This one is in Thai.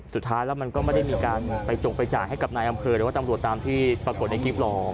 สุดท้ายแล้วมันก็ไม่ได้มีการไปจงไปจ่ายให้กับนายอำเภอหรือว่าตำรวจตามที่ปรากฏในคลิปหรอก